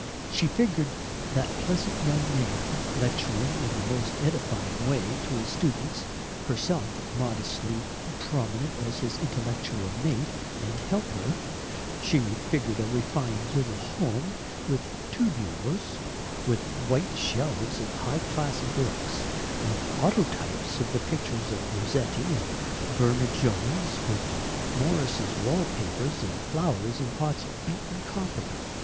She figured that pleasant young man, lecturing in the most edifying way to his students, herself modestly prominent as his intellectual mate and helper; she figured a refined little home, with two bureaus, with white shelves of high class books, and autotypes of the pictures of Rossetti and Burne Jones, with Morris's wall papers and flowers in pots of beaten copper.